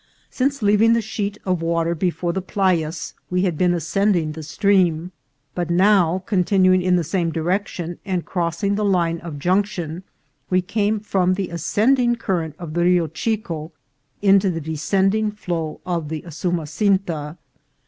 Since leaving the sheet of water before the Playas we had been ascending the stream, but now, continuing in the same direction and crossing the line of junction, we came from the ascending current of the Rio Chico into the descending flow of the Usumasinta.